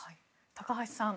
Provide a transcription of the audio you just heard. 高橋さん